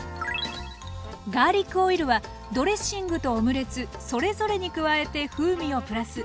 ガーリックオイルはドレッシングとオムレツそれぞれに加えて風味をプラス。